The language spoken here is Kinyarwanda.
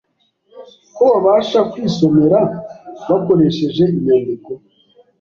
ko babasha kwisomera bakoresheje inyandiko